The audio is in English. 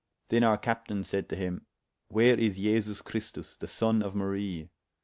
Then our captayne sayde to him, Where is Jesus Christus, the sonne of Marie?